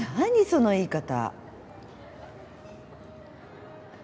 その言い方。